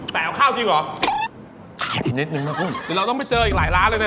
แปลข้าวจริงหรอนิดนึงนะพุ่งเราต้องไปเจออีกหลายร้านเลยนะ